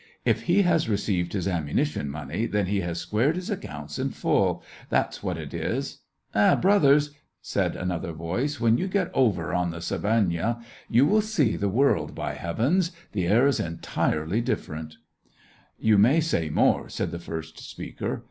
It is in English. " If he has received his ammunition money, then he has squared his accounts in full — that's what it is !"" Eh, brothers !" said another voice, " when you get over on the Severnaya you will see the world, by heavens ! The air is entirely dif ferent." 1 68 SEVASTOPOL IN AUGUST. You may say more !" said the first speaker.